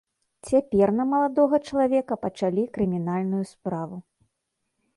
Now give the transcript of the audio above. Цяпер на маладога чалавека пачалі крымінальную справу.